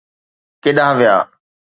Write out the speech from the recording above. ڪيڏانهن ويا؟